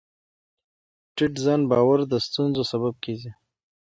ټیټ ځان باور د ستونزو سبب کېږي.